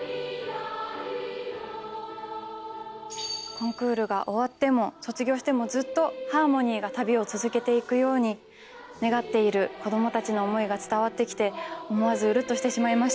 コンクールが終わっても卒業してもずっとハーモニーが旅を続けていくように願っている子供たちの思いが伝わってきて思わずウルっとしてしまいました。